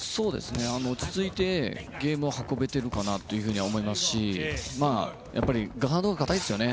落ち着いてゲームを運べているかなと思いますしガードが堅いですよね。